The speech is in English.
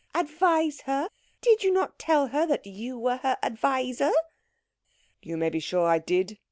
"Advise her? Did you not tell her that you were her adviser?" "You may be sure I did.